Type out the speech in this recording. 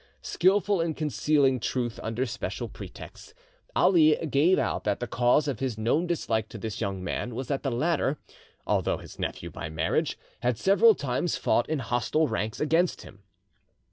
Skilful in concealing truth under special pretexts, Ali gave out that the cause of his known dislike to this young man was that the latter, although his nephew by marriage, had several times fought in hostile ranks against him.